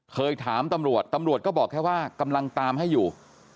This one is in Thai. เคยถามตำรวจตำรวจก็บอกแค่ว่ากำลังตามให้อยู่